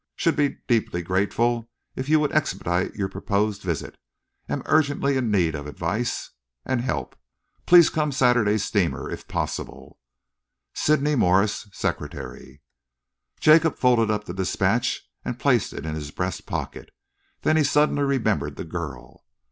Should be deeply grateful if you would expedite your proposed visit. Am urgently in need of advice and help. Please come Saturday's steamer if possible. Sydney Morse, Secretary. Jacob folded up the dispatch and placed it in his breast pocket. Then he suddenly remembered the girl.